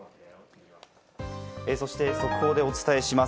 そして速報でお伝えします。